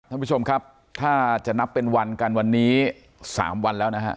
ท่านผู้ชมครับถ้าจะนับเป็นวันกันวันนี้๓วันแล้วนะฮะ